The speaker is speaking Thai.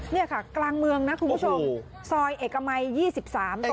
นี่ค่ะกลางเมืองนะคุณผู้ชมโซยเอกมัยยี่สิบสามเอกมัยเลย